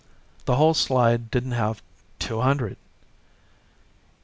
The whole slide didn't have two hundred.